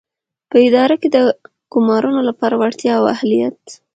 په اداره کې د ګومارنو لپاره وړتیا او اهلیت.